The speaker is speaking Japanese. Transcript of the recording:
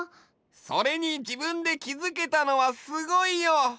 それに自分できづけたのはすごいよ！